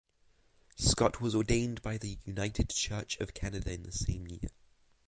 Scott was ordained by the United Church of Canada in the same year.